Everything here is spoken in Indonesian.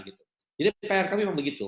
jadi pr kami memang begitu